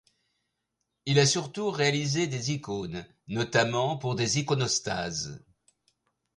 Il a surtout réalisé des icônes, notamment pour des iconostases.